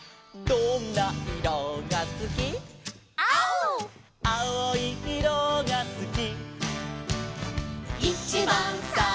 「どんないろがすき」「きいろ」「きいろいいろがすき」